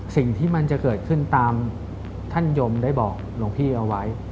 สิ่งที่มันจะเกิดขึ้นตามท่านยมได้บอกหลวงพี่เอาไว้